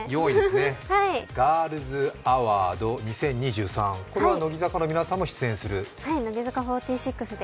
４位のガールズアワード２０２３、これは乃木坂の皆さんも出演する。